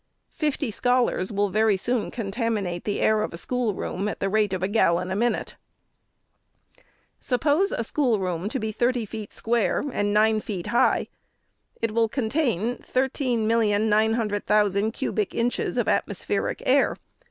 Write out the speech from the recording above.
Fifty scholars will very soon contaminate the air of a schoolroom at the rate of a gallon a minute. Suppose a schoolroom to be thirty feet square and nine feet high. »t will contain 13,9'JG,000 cubic inches of atmospheric air.